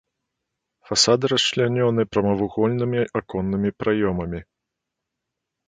Фасады расчлянёны прамавугольнымі аконнымі праёмамі.